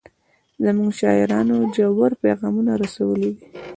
زموږ شاعرانو ژور پیغامونه رسولي دي.